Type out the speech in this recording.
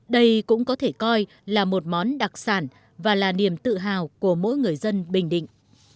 đây cũng có thể coi là một món đặc sản và là niềm tự hào của mỗi người dân bình định